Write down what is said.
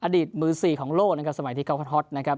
อดีตมือสี่ของโลกนะครับสมัยที่เขาฮอตนะครับ